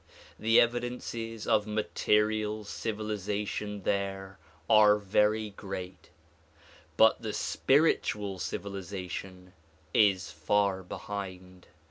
The evidences of material civilization there are very great but the spiritual civilization is far behind.